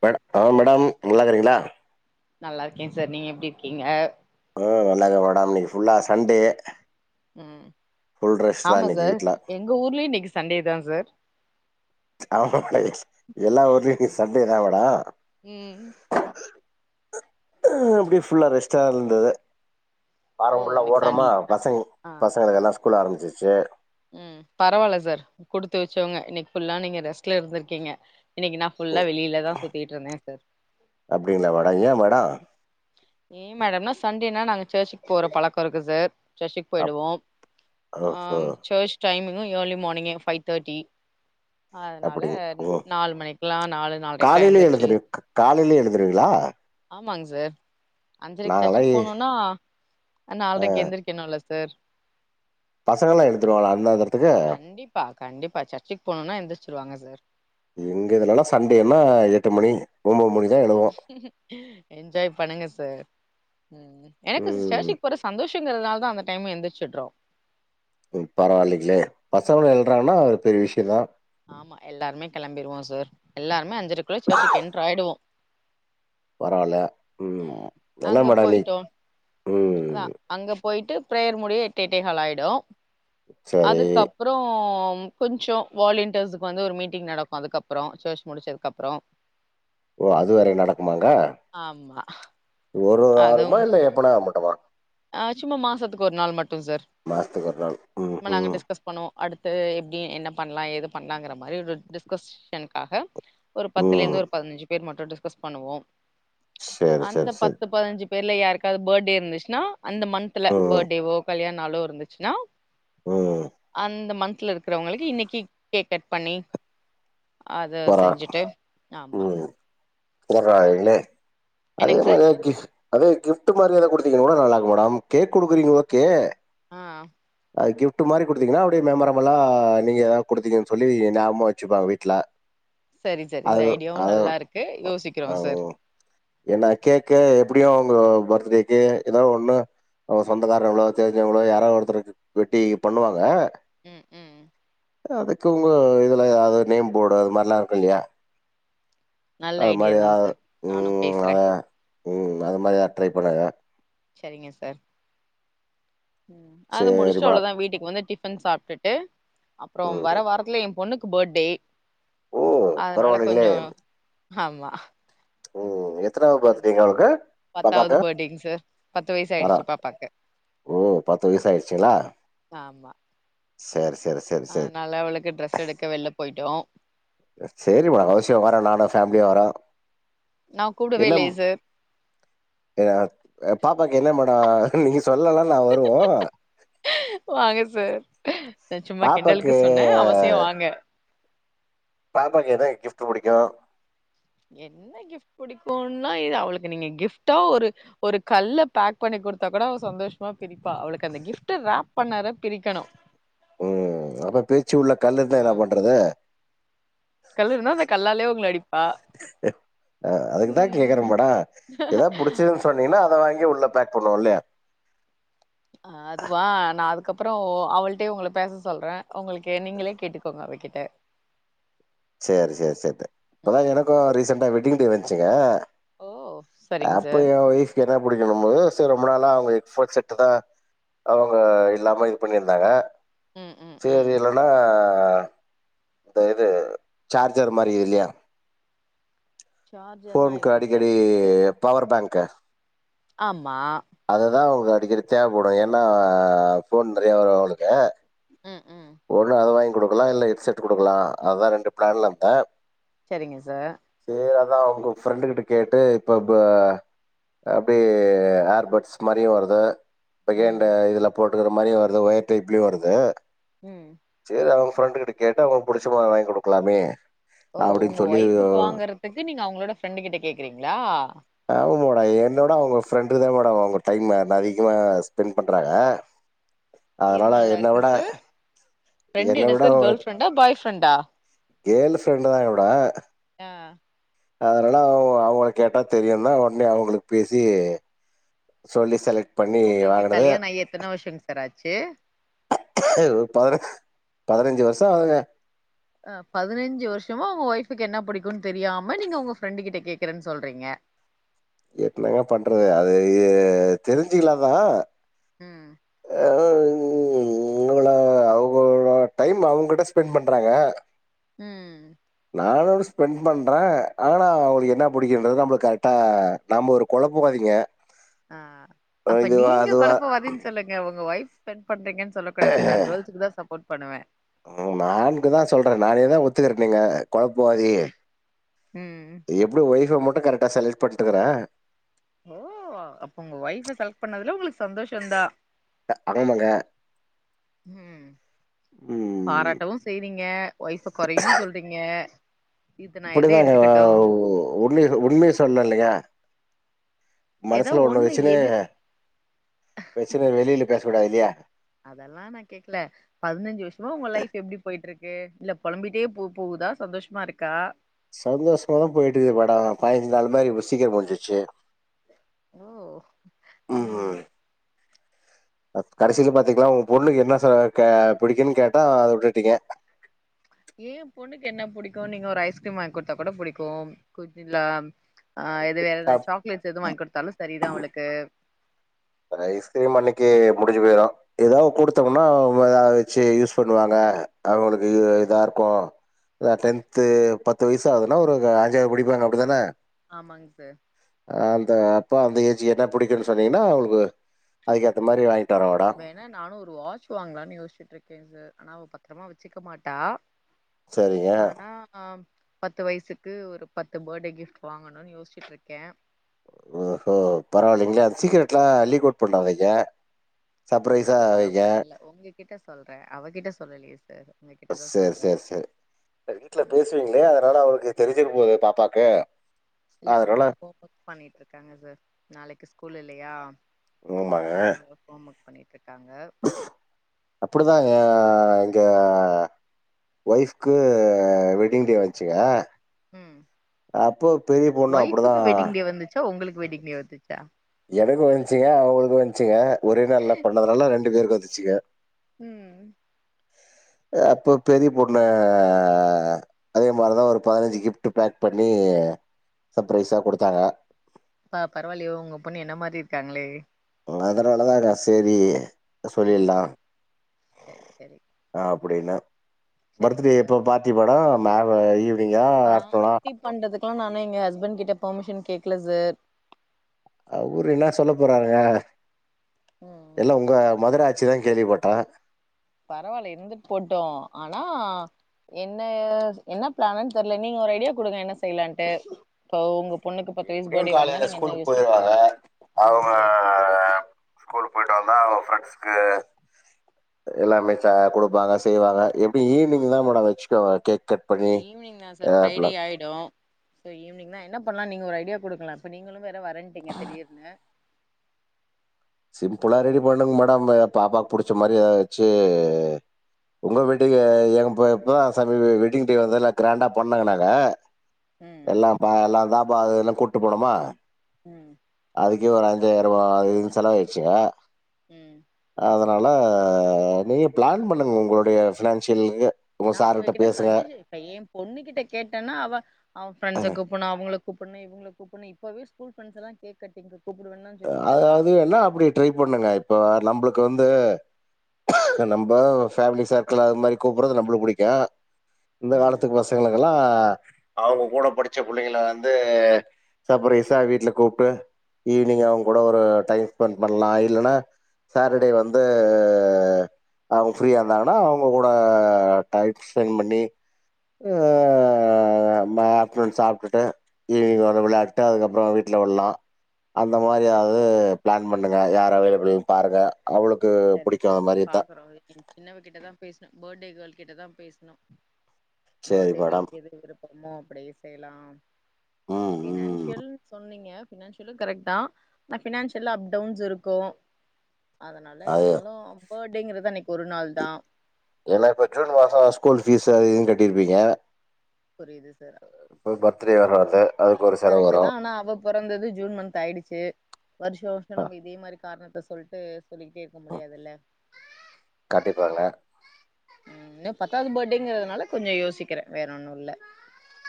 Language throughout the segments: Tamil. ட ஆ மேடம் நல்லாருக்கிறீங்களா நல்லாருக்கே சார் நீங்க எப்டி இருக்கீங்க ஆ நல்லாருக்கறே மேட இன்னைக்கு ஃபுல்லா சண்டே ம் ஃபுல் ரெஸ்ட் தான் ஆமா இன்னைக்கு சார் வீட்ல எங்க ஊர்லியு இன்னைக்கு சண்டே தா சார் ஆமா [unintelligible] எல்லா ஊர்லியு இன்னைக்கு சண்டே தா மேடோ ம் ஆ அப்படே ஃபுல்லா ரெஸ்டா இருந்தது வாரோ ஓ ஃபுல்லா இன்னைக்கு ஓடுறமா சண்டே பசங் ஆ பசங்களுக்கு எல்லா ஸ்கூல் ஆரம்பிச்சிடுச்சு ம் பரவால்ல சார் குடுத்து வச்சவங்க இன்னைக்கு புல்லா நீங்க ரெஸ்ட்ல இருந்துரிக்கீங்க இன்னைக்கி நா ஃபுல்லா ம் வெளிலதா சுத்திகிட்ருந்தே சார் அப்படிங்களா மேடம் ஏன் மேடம் ஏ மேடம்னா சண்டேனா நாங்க சர்ச்சுக்கு போற பழக்கோ இருக்கு சார் சர்ச்சுக்கு அப் போயிடுவோ ஓஹோ ஆம் டைமிங்கு ஏர்லி மார்னிங்கே ஃபைவ் தேர்ட்டி அதுனால அப்படிங்க ஓ நாலு மணிக்குலா நாலு நாலரைக்லா எழுந்துருச்சு எந்துருவீங்ளா ஆமாங்க சார் அஞ்சரைக்கு நாங்களாம் சர்ச்சுக்கு ஏ போனோனா ஆ நால்ரைக்கு எழுந்திருக்கனோல சா சார் பசங்களாம் எழுந்துருவாங்களா அந்த நேரத்துக்கு கண்டிப்பா கண்டிப்பா சர்ச்சுக்கு போனுன்னா எந்துர்ச் சுடுவாங்க சார் எங்க இதுலல்லா சண்டேனா எட்டு மணி ஒம்போது மணி தான் எழுவோம் என்ஜாய் பண்ணுங்க சார் ம் எனக்கு ம் சர்ச்சுக்கு போற சந்தோஷங்குறதுனால தா அந்த டைம் எந்துர்ச்சுட்றோ ம் பரவாலிங்ளே பசங்களு எழ்றான்னா ஒரு பெரிய விஷயோந்தா ஆமா எல்லாருமே கெளம்பிருவோ சார் எல்லாருமே அஞ்சுறைக்குள்ள சர்ச்சுக்கு என்ட்ரு ஆயிடுவோ பரவால ம் என்ன அங்க மேடோ நீ போயிட்டோ அதா ம் அங்க பொயிட்டு ப்ரேயர் முடிய எட் எட்டே கால் ஆயிடு சரி. அதுக்கப்பறோ கொஞ்சோ வாலண்டியர்ஸ்க்கு வந்து ஒரு மீட்டிங் நடக்கோ அதுக்கப்றோ சர்ச் முடிச்சதுக்கப்றோ ஓ அது வேற நடக்குமாங்க ஆமா ஒரு ஒரு வாரமா அதுவும் இல்ல எப்பனா மட் ஆ சும்மா மாசத்துக்கு ஒரு நாள் மட்டுங் சார் மாசத்துக்கு ஒரு நாள். அப்ப நாங்க ம்ஹ்ம். டிஸ்கஸ் பண்ணுவோ அடுத் து எப்டி என்ன பண்ணலா எஏது பண்ணலாங்குறா மாரி ஒரு டிஸ்கஷன்காக ஒரு ம். பத்துலேருந்து ஒரு பதினஞ்சு பேர் மட்டு டிஸ்கஸ் பண்ணுவோ சரி, அந்த சரி, சரி. பத்து பதுனஞ்சு பேர்ல யாருக்காவது ஃபேட்டே இருந்துச்சுன்னா அந்த மந்த்ல ம், ஃபேட்டேவோ கல்யாண நாலோ இருந்துச்சுன்னா ம். அந்த மந்த் ட்ல இருக்குறவங்களுக்கு இன்னைக்கி கேக் கட் பண்ணி அத பரவா செஞ்சுட்டு ஆமா ஆமா போறாங்ளே அதே என்னங்க சார் மாரிதா கிப்ட் அதே கிப்ட் மாரி எதாது குடுத்தீங் எவ்ளோ நாளாகும் மேடம் கேக் குடுக்குறீங்க ஓகே ஆ ஆ அது கிஃப்ட் மாரி குடுத்தீங்கன்னா அப்டியே மெமரபுலா நீங்கதா குடுத்தீங்கனு சொல்லி ஞாபகமா வச்சுப்பாங்க வீட்ல சரி சார் அது இந்த ஐடியாவு நல்லா இருக்கு யோசிக்கிறோ சார் என்ன கேக்கு எப்படியு அவுங்க பர்த்டேக்கு எதாவது ஒண்ணு அவுங்க சொந்தக்காரவுங்களோ தெரிஞ்சுவங்ளோ யாராவது ஒருத்தருக் வெட்டி பண்ணுவாங்க ம் ம் அதுக்கு உங்க இதுலயாது நேம் ஃபோடு அது மாரில்லா இருக்கு இல்லையா நல்ல அது ஐடியா மாரி தா எதாவது சார் நானு ம் ஆ பேசுறே ம் அது மாரி எதாது ட்ரை பண்ணுங்க செரிங்க சார் ம் அத முடுச்ட்டு சேரிம்மா அவ்ளோ தா வீட்டுக்கு வந்து டிஃபன் சாப்ட்டுட்டு அப்றோம் வர ம் வாரத்துல ஏ பொண்ணுக் க்கு ஃபேர்டே ஓ அதுனால பரவாயில்லைங்களே கொஞ்சோ ஆமா ஓ ஓ எத் எத்னாவது அதா பர்த்டேங்க அவளுக்கு பத்தாவது பாப்பாக்கு பர்த்டேங் சார் பத்து வயசு வரா ஆயிடுச்சு பாப்பாக்கு ஓ பத்து வயசு ஆயிடுச்சுங்களா சேரி சேரி சேரி சேரி அதுனால அவளுக்கு ட்ரெஸ் எடுக்க வெள்ல போயிட்டோ சேரிம்மா அவசியோ வரோ நானு ஃபேம்லியா வரோ நா கூப்டவே என்னம் இல்லயே சார் ஏ பாப்பாக்கு என்ன மேடோ நீங்க சொல்லல்லா நா வருவோ வாங்க சார் நா சும்மா பாப்பாக்கு கிண்டலுக்கு சொன்னே அவசியோ வாங்க பாப்பாக்கு என்ன கிப்ட் புடிக்கு என்ன கிஃப்ட் புடிக்குன்னா இது அவளுக்கு நீங்க கிஃப்டா ஒரு ஒரு கல்ல பேக் பண்ணி குடுத்தா கூட அவ சந்தோஷமா பிரிப்பா அவளுக்கு அந்த கிஃப்ட் ராப் பண்ணார பிரிக்கணு உம் அப்ப பீச்சு உள்ள கல்லு இருந்தா என்ன பண்றது கல் இருந்தா அந்த கல்லாலே உங்கள அடிப்பா அஹ் அதுக்குதா கேக்கற ம் மேடோ எதா புடிச்சிதுன்னு சொன்னீங்கன்னா அத வாங் அங்கே உள்ள பேக் பண்ணுவோ இல்லையா அதுவா நா அதுக்கப்றோ அவள்டே உங்கள பேச சொல்றே உங்களுக்கு நீங்களே கேட்டுக்கோங்க அவ கிட்ட சேரி சேரி சேரி இப்பதா எனக்கு ம் ரீசண்டா வெட்டிங் டே வந்துச்சுங்க ஓ சரிங்க அப்ப சார் எ ஒய்ஃப்க்கு என்ன புடிக்கணு போது சரி ரொம்ப நாளா ஹெட்போன் செட் தா அவுங்க இல்லாம இது பண்ணிருந்தாங்க ம் ம் சேரி ம் இல்லன்னா இந்த இது சார்ஜர் மாரி இல்லையா சார்ஜர்னா ஃபோன்க்கு எப்டி அடிக்கடி சார் பவர் பேங்க்கு ஆமா அதுதான் அவங்களுக்கு அடிக்கடி தேவைப்படு ஏன்னா ஃபோன் நெறையா வரு அவளுக்கு உம் உம் குடுக்கலா இல்ல ஹெட்செட் குடுக்கலா அதா ரெண்டு பிளான்ல ந்த சரிங்க சார் அதா உங்க ஃப்ரெண்டு கிட்ட கேட்டு இப்ப ப்பா அப்டே ஏர்பர்ட்ஸ் மாரியு வருது ம் பகேண்ட்டு இதுல போட்டுக்குற மாரியு வருது ஒயர் டைப்லியு வருது ம் சேரி அவு ஃப்ரெண்டு கிட்ட கேட்டா அவங்களுக்கு புடிச்சமாரி வாங்கி குடுக்கலாமே ஓ அப்படின்னு உங்க சொல்லி ஒய்ஃப்க்கு வாங்கறதுக்கு நீங்க அவுங்களோட ஃப்ரெண்டு கிட்ட கேக்குறீங்களா ஆமா மோடோ என்னோட அவுங்க ஃப்ரெண்டு் தா மேடோ அவுங்க டைம் அதிகமா ஸ்பெண்ட் பண்றாங்க அதனால என்ன விட ஃப்ரெண்டு என்ன விட சார் ஒரு கேர்ள் ஃப்ரெண்டா பாய் ஃப்ரெண்டா கேர்ள் ஃப்ரெண்டு் தா மேடோ ஆ அதனால அவுங்க அவங்க கேட்டா தெரியு தா ஒன்னே அவுங்களுக்கு பேசி சொல்லி செலக்ட் பண்ணி ஒங்களுக்கு வாங்கினது கல்யாண ஆயி எத்தன வருஷங் சார் ஆச்சு பதினஞ் பதினஞ்சு வருசோ ஆகுதுங்க ஆ பதினஞ்சு வருஷமா உங்க ஒய்ஃபுக்கு என்ன புடிக்குன்னு தெரியாம நீங்க உங்க ஃப்ரெண்டு கிட்ட கேக்கறன்னு சொல்றீங்க என்னங்க பண்றது அது தெரிஞ்சுக்கலாதா ம் [unintelligible] டைம் அவங்கிட்ட ஸ்பெண்ட் பண்றாங்க உம் நானோடு ஸ்பெண்ட் பண்ற ஆனா அவுங்களுக்கு என்ன புடிக்கின்றது நம்மளுக்கு கரட்டா நம்ப ஒரு கொழப்ப வாதிங்க ஆஹ் அப்ப நீங்க அதுவா கொழப்ப வாதீன்னு சொல்லுங்க உங்க ஒய்ஃப் பண்றிங்கன்னு சொல்லக்கூடாது நா கேர்ள்ஸ்கு தா சப்போர்ட் பண்ணுவ உம் நான்குதா சொல்ற நானேதா ஒத்துக்கற நீங்க கொழப்பவாதி ம் எப்டி ஒய்ஃப மட்டு கரெட்டா செலக்ட் பண்ட்டுக்கற ஓ அப்ப உங்க ஒய்ஃப செலக்ட் பண்ணதுல உங்களுக்கு சந்தோஷதா ஆமாங்க உம் ம் பாராட்டவு செய்றீங்க ஒய்ஃப கொறையு சொல்றீங்க இது நா எத இப்டிதாங்க எடுத்துக்கட்டு உண்மை உண்மைய சொன்ன இல்லயா ஏதோ மனசுல ஒண்ணு வச்சினு எது பிரச்சன வெளில பேச கூடாது இல்லையா அதெல்லா நா கேக்கல பதினஞ்சு வருஷமா உங்க லைஃப் எப்டி போயிட்டு இருக்கு இல்ல பொலம்பிட்டே போ போவுதா சந்தோஷமா இருக்கா சந்தோஷமா தா போயிட்டுக்கு மேடம் பதினைஞ்சி நாள் மாரி இவ்ள சீக்கிரோ முஞ்சிருச்சு ஓ உம் ம் கடைசியில பாத்தீங்களாம் உங்க பொண்ணுக்கு என்ன புடிக்குன்னு கேட்டா அத வுட்டுடிகங்க [inaudible] ஏன் பொண்ணுக்கு என்ன பிடிக்கும் நீங்க ஒரு ஐஸ்கிரீம் வாங்கி கொடுத்தா கூட புடிக்கும் குப்பிங்களா ஆ எது வேறன சாக்லேட்ஸ் எதுவும் வாங்கி் கொடுத்தாலும் சரிதான் அவளுக்கு ரயிஸ்கிரீம் அன்னைக்கு முடிஞ்சு போயிரும் ஏதாவது கொடுத்தோம்னாாவ வச்சு யூஸ் பண்ணுவாங்க அவங்களுக்கு இதாருக்கும் டென்து பத்து வயசு ஆகுதுன்னா ஒரு அஞ்சாவது படிப்பாங்க அப்படிதானே ஆமாங் சார் அந்த அப்ப அந்த ஏஜி என்ன பிடிக்குன்னு சொன்னீங்கன்னா அவ ஓ அதுக் ஏத்த மாரி வாங்கி வேணா நானும் ஒரு வாட்ச் வாங்கலான்னு யோசிச்சுட்டு இருக்கேன் சார் ஆனா அவ பத்திரமா வச்சுக்க மாட்டா சரிங்க. ஆனா பத்து வயசுக்கு ஒரு பத்து பேர்டே கிஃப்ட் வாங்கணும்னு யோசிச்சுட்டு இருக்க ஓ ஹோ பரவாயில்லைங்களா அந்த சீக்கரெட்லாம் லீக்அவுட் பண்ணறாாதைங்க லீக்அவுட்லாம் பண்ணல உங்ககிட்ட சொல்றே அவகிட்ட சொல்லலையே சார் உங்ககிட்டதா செர் சொல்றே செர் செர் வீட்டுல பேசுவீங்களே அதனால அவளுக்கு தெரிஞ்சிர போது பாப்பாக்கு இல்ல அதனால அவங்களாம் ஹோம் ஒர்க் பண்ணிட்டு இருக்காங்க சார் நாளைக்கு ஸ்கூல் இல்லையா ஆமாங்க. ஆ ஹோம் ஒர்க் பண்ணி அப்படிதாங்க இங்கே ஒய்ஃப்கு வெட்டிங் டே வந்துச்சுங்க உம் அப்போ பெரிய பொண்ணு ஒயஃபுக்கு அப்படிதான். வெட்டிங் டே வந்துச்சா உங்களுக்கு வெட்டிங் டே வந்து எனக்கும் வந்ச்சிங்க அவங்களுக்கு வந்ச்சுங்க ஒரே நாள்ல பண்ணதுனால ரெண்டு பேருக்கு வந்துச்சுங்க உம் [inaudible] அப்போ பெரிய பொண்ணு அதே மாரிதான் ஒரு பதினைஞ்சு கிஃப்ட் பேக் பண்ணி சர்பரைஸா கொடுத்தாங்க பா பரவாலையோ உங்க பொண்ணு என்ன மாரி இருக்காங்களே அதனால தாங்க சரி உம் செரி செரி அப்படின்னு பர்த்டே இப்ப பார்ட்டி மேடம் ஈவினிங்கா ஆஃப்டர்நூனா இப்ப நானு எங்க ஹஸ்பண்ட் கிட்ட பெர்மிஷன் கேக்கல சார் அவரு என்ன சொல்ல போறாருங்க ம் எல்லாம் உங்க மதுரா சிதான் கேள்விப்பட்டோ பரவாயில்ல இருந்துட்டு போட்டு ஆனா என்ன என்ன பிளானன்னு தெரியல நீங்க ஒரு ஐடியா கொடுங்க என்ன செய்யலான்ட்டு இப்போ உங்க பொண்ணுக்கு பத்து வயசு எப்டியூ பர்த்டே வந்தா காலைல நீங்க ஸ்கூல் என்ன யோசிப்பீங்க போயிருவாங்க ஆமாங்க அவங்க சார் ஸ்கூல் போயிட்டுவாங்க அவுங்க ப்பிரன்ஸ் கு எல்லாமே சா கொடுப்பாங்க செய்வாங்க எப்படி ஆமா ஈவினிங் தான் மேட வச்சு கவா கேக் கட் பண்ணி ஈவினிங் தான் சார் எல்லா பிரைடே ஆயிடும் சோ ஈவினிங் தான் என்ன இப்பல்லாம் நீங்க ஒரு ஐடியா கொடுக்கலாம் இப்ப நீங்களும் வேற வரட்டீங்க திடீர்னு சிம்பிளா ரெடி பண்ணுங்க மேடம் பாப்பாக்கு புடிச்ச மாதிரி ஏதாச்சுயி உங்க வெட்டிங் இப்பதான் சாமி வெட்டிங் டே வந்து எல்லாம் கிராண்டா பண்ணாங்க நாங்க ம் எல்லாம் பா எல்லாம் தான் பா எல்லாம் கூட்டு போனுமா ம் அதுக்கே ஒரு அஞுறு பத்தாயிரம் ரூபா அதுன்னு செலவடுச்சுங்க ம் அதனால நீங்கள் பிளான் பண்ணுங்க உங்களுடைய ஃபினான்ஷியகல் நான் உங்க கிட்ட சஜேஷன் இப்பா எ பொண்ணு கிட்ட கேட்டேன்னா அவ அவன் ஃப்ரெண்ட்ஸ கூப்பிடணும் அவங்க கூப்பிடும் இவங்களுக்கு கூப்பன்ன இப்பவே ஸூல்ஸ் எாம் கேக் கட்டி அதாவது என்னா அப்படி ட்ரை பண்ணுங்க இப்ப நம்மக்கு நமக்கு வந்து நம்ம பேமிலி சர்க்கிள் அது மாதிரி கூப்பிறது நம பிடிக்கும் இந்த ம் காலத்துக்கு பசங்களுக்கெல்லா அவங்க கூட படிச்ச புள்ளைங்கள வந்து சப்பரைஸா வீட்டுல கூப்பிட்டு இ நீங்க அவங்க கூட ஒரு டைம் ஸ்பெண்ட் பண்ணலா இல்லன்னா சேட்டர்டே வந்து அவங்க ஃப்ரீயா இருந்தாங்கன்னா அவங்க கூட டைம் ஸ்பெண்ட் பண்ணி ஆ ம ஆப்டர்நூன் சாப்பிட்டுட்டு ஈவினிங் வந்து வெளையாட்டுட்டு அதுக்கப்புறோ வீட்டு் ல விலா அந்த மாரியாவது செ பிளான் பண்ணுங்க யார் அவைலபுளூ பாருங்க அவளுக்கு சரி புடிக்கு சார் அந்த மாரி இருந்தா பாக்குறோ சின்னவ கிட்டதா பேசன பர்த்டே கேர்ள் கிட்ட தா பேசனோ சேரி பர்த்டே மேடம் கேர்ளுக்கு எது விருப்பமோ அப்டியே செய்யலா ம் ம் பினான்சியல்ன்னு சொன்னீங்க ஃபினான்சியலு கரெக்ட் தா பட் ஃபினான்ஷியலா அப் டவுன்ஸ் இருக்கு அதனால அது இருந்தாலு பேர்டேங்கறது அன்னைக்கி ஒரு நாள் தா ஏன்னா இப்ப ஜூன் மாசோ ஸ்கூல் ஃபீஸ் அது இதுனு கட்டிருப்பீங்க புரியுது சார் இப்ப பர்த்டே வேற வருது அதுக்கு அது ஒரு செலவு கரெக்ட் வரு தா ஆனா அவ பொறந்தது ஜூன் மன்த் ஆயிடுச்சு வருஷோ வருஷ அ அ நம்ம இதே மாரி காரணத்தை சொல் த்து சொல்லிக்கிட்டே இருக்க முடியாதுல்ல கண்டிப்பாங்க ம் இன்னு பத்தாவது பர்டேங்கறதுனால கொஞ்சோ யோசிக்கிறே வேற ஒண்ணுல்ல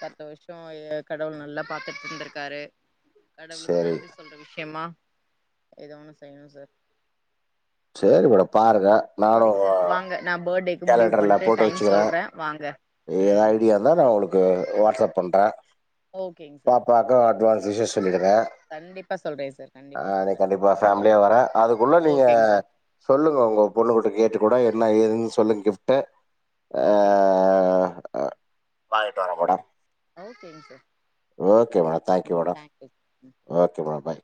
பத்து வருஷோ கடவுள் நல்லா பாத்துட்டு இருந்திருக்காரு கடவுளுக்கு சரி நன்றி சொல்ற விஷயமா ஏதோ ஒண்ணு செய்யணு சார் சேரி மேடம் பாருங்க த நானு சரிங்க சார் வாங்க நான் பர்த்டேக்கு முடிவு கேலண்டர்ல பண்ணிட்டு போட்டு டைம் வச்சுக்கிறே சொல்றேன் வாங்க ஏதாது ம் ஐடியாருந்தா நா உங்ளுக் கு வாட்ஸ்அப் பண்றே ஓகேங்க சார் பாப்பாக்கு அட்வான்ஸ் விஷ்ஷஸ் சொல்லிடுங் ங்க கண்டிப்பா சொல்றேன் சார் கண்டிப்பா அ அன்னைக்கு சொல்றேன் கண்டிப்பா பேமிலியா வரே அதுக்குள்ள நீங்க ஓகேங்க சார் சொல்லுங்க உங்க பொண்ணுகுட்ட கேட்டு கூட என்ன ஏதுன்னு சொல்லுங்க கிஃப்ட்ட ஓகேங் அ வாங்கிட்டு வர்ற மேடம் சார் ஓகேங்க சார் ஓகே மேடம் தேங்க்யூ ம் மேடம் தேங்க்யூ ம் ஓகே மேடம் பாய்